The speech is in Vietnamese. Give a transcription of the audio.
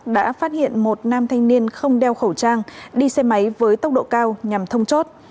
đã phát hiện một nam thanh niên không đeo khẩu trang đi xe máy với tốc độ cao nhằm thông chốt